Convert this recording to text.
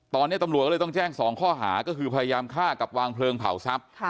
ตอนนี้ตำรวจก็เลยต้องแจ้ง๒ข้อหาก็คือพยายามฆ่ากับวางเพลิงเผาทรัพย์